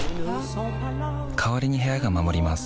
代わりに部屋が守ります